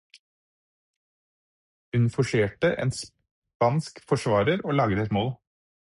Hun forserte en spansk forsvarer og laget et mål.